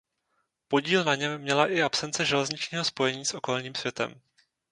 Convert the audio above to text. Podíl na něm měla i absence železničního spojení s okolním světem.